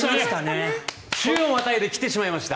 週をまたいで来てしまいました。